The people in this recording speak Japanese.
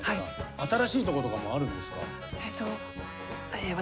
新しいとことかもあるんですか？